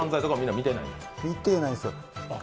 見てないんですよ。